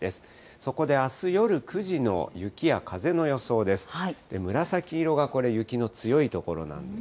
そこであす夜９時の雪や風の予想です。